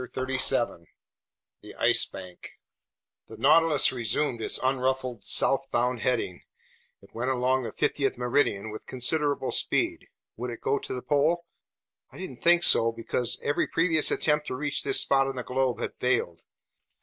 CHAPTER 13 The Ice Bank THE NAUTILUS resumed its unruffled southbound heading. It went along the 50th meridian with considerable speed. Would it go to the pole? I didn't think so, because every previous attempt to reach this spot on the globe had failed.